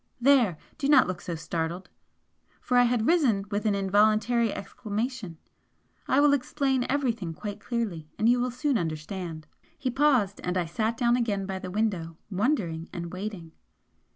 There! do not look so startled!" for I had risen with an involuntary exclamation "I will explain everything quite clearly, and you will soon understand." He paused and I sat down again by the window, wondering and waiting.